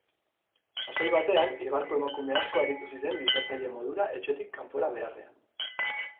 Sasoi batean, Eibarko emakume asko aritu ziren lisatzaile modura etxetik kanpora beharrean.